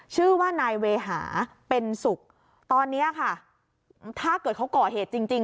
ชื่อว่านายเวหาเป็นสุขตอนนี้ค่ะถ้าเกิดเขาก่อเหตุจริงจริง